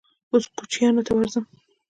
_اوس کوچيانو ته ورځم.